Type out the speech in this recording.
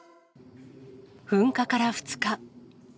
噴火から２日。